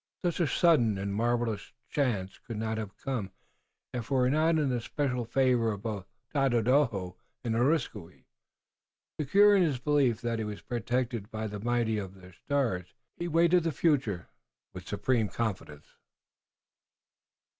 Such a sudden and marvelous change could not have come if he were not in the special favor of both Tododaho and Areskoui. Secure in his belief that he was protected by the mighty on their stars, he awaited the future with supreme confidence.